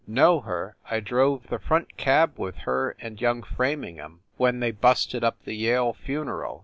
"Know her? I drove the front cab with her and young Framingham when they busted up the Yale funeral